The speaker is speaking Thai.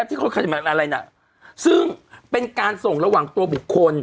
ที่เขาอะไรน่ะซึ่งเป็นการส่งระหว่างตัวบุคคล